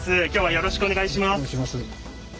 よろしくお願いします。